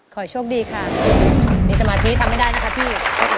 ขอโชคดีครับมีสมาธิทำไม่ได้นะครับพี่